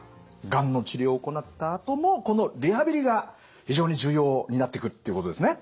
がんの治療を行ったあともこのリハビリが非常に重要になってくるっていうことですね。